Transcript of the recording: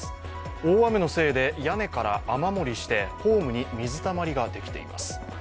大雨のせいで屋根から雨漏りして、ホームに水たまりができています。